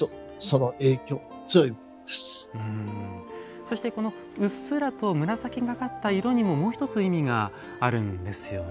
そしてこのうっすらと紫がかった色にももう一つ意味があるんですよね。